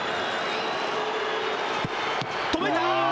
止めた！